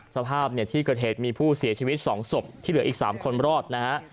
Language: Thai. สภาพที่ของเกราะเทศมีผู้เสียชีวิต๒สบที่เหลืออีก๓คนรอบนะครับ